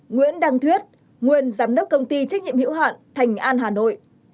nguyễn đăng thuyết nguyên giám đốc công ty trách nhiệm hữu hạn thành an hà nội